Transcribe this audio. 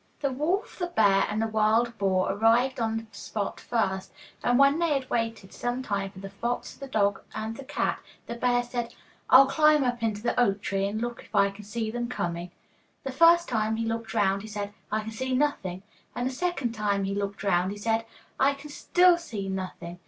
The wolf, the bear, and the wild boar arrived on the spot first, and when they had waited some time for the fox, the dog, and the cat, the bear said, 'I'll climb up into the oak tree, and look if I can see them coming.' The first time he looked round he said, 'I can see nothing,' and the second time he looked round he said, 'I can still see nothing.